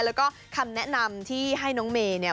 แล้วก็คำแนะนำที่ให้น้องเมย์เนี่ย